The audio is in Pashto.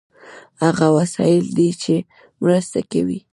هغه وسایل دي چې مرسته کوي.